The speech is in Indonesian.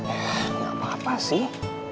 eh gak apa apa sih